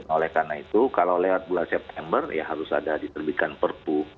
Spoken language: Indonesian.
oleh karena itu kalau lewat bulan september ya harus ada diterbitkan perpu